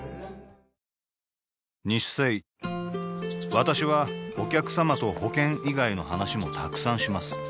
私はお客様と保険以外の話もたくさんします